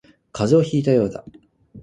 風邪をひいたようだ